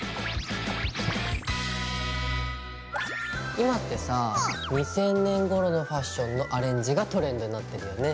今ってさ２０００年ごろのファッションのアレンジがトレンドになってるよね。